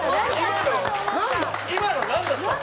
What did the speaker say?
今の何だったの？